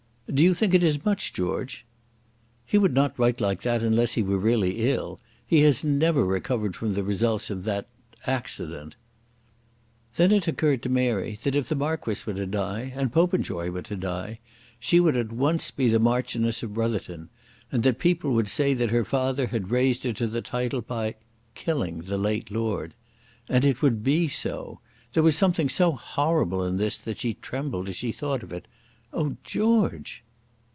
"Do you think it is much, George?" "He would not write like that unless he were really ill. He has never recovered from the results of that accident." Then it occurred to Mary that if the Marquis were to die, and Popenjoy were to die, she would at once be the Marchioness of Brotherton, and that people would say that her father had raised her to the title by killing the late lord. And it would be so. There was something so horrible in this that she trembled as she thought of it. "Oh, George!"